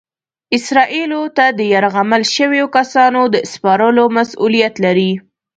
اسرائیلو ته د یرغمل شویو کسانو د سپارلو مسؤلیت لري.